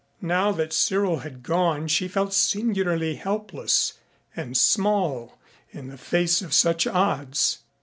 Now that Cyril had gone she felt singularly helpless and small in the face of such odds.